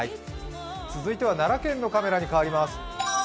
続いては奈良県のカメラにかわります。